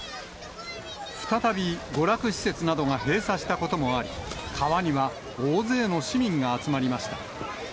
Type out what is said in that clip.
再び娯楽施設などが閉鎖したこともあり、川には大勢の市民が集まりました。